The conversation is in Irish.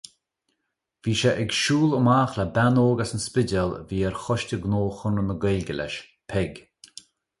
Bhí sé ag siúl amach le bean óg as an Spidéal a bhí ar Choiste Gnó Chonradh na Gaeilge leis, Peig.